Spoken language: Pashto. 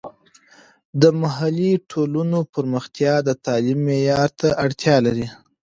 د محلي ټولنو پرمختیا د تعلیم معیار ته اړتیا لري.